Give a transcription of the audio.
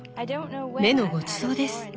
目のごちそうです。